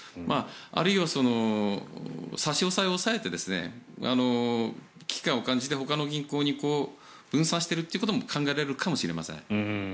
あるいは、差し押さえをされて危機感を感じてほかの銀行に分散しているということも考えられるかもしれません。